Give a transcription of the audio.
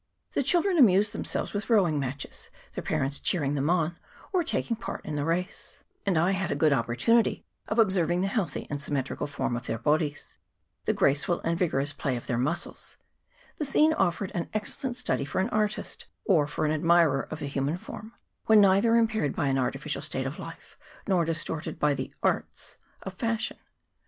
The children amused themselves with rowing matches, their 262 NATIVE BOAT SONG. [PART II parents cheering them on, or taking part in the race ; and I had a good opportunity of observing the healthy and symmetrical form of their bodies, the graceful and vigorous play of their muscles: the scene offered an excellent study for an artist, or for an admirer of the human form when neither impaired by an artificial state of life nor distorted by the arts of fashion.